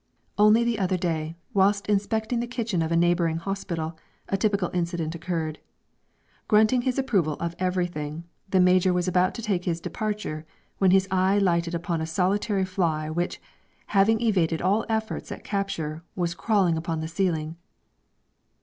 Only the other day, whilst inspecting the kitchen of a neighbouring hospital, a typical incident occurred. Grunting his approval of everything, the Major was about to take his departure when his eye lighted upon a solitary fly which, having evaded all efforts at capture, was crawling upon the ceiling.